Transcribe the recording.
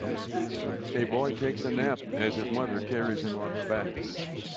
A boy takes a nap as his mother carries him on her back